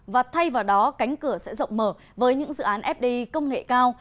và thay vào đó cánh cửa sẽ rộng mở với những dự án fdi công nghệ cao